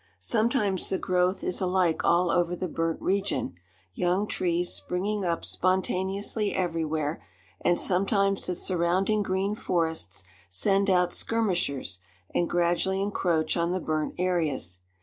Sometimes the growth is alike all over the burnt region, young trees springing up spontaneously everywhere, and sometimes the surrounding green forests send out skirmishers, and gradually encroach on the burnt areas.